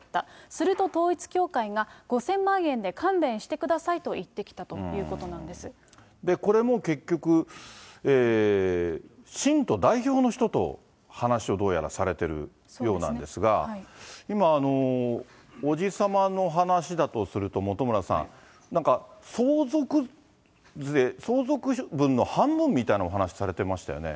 すると統一教会が５０００万円で勘弁してくださいと言ってきたとこれも結局、信徒代表の人と話をどうやらされてるようなんですが、今、伯父様の話だとすると、本村さん、なんか相続分の半分みたいなお話されてましたよね。